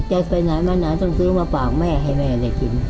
ไปไหนมาไหนต้องซื้อมาฝากแม่ให้แม่ได้กิน